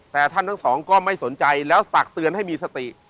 แต่ท่านทั้งสองก็ไม่สนใจแล้วตักเตือนให้มีสติ